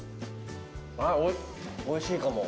おいしいかも。